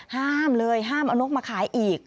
ห้ามเลยห้ามเอานกมาขายอีก